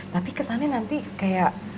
tapi kesannya nanti kayak